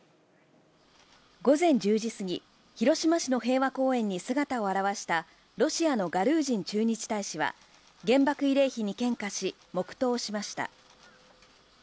午前１０時過ぎ、広島市の平和公園に姿を現したロシアのガルージン駐日大使は、原爆慰霊碑に献花し、黙とうしました。